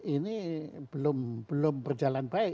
ini belum berjalan baik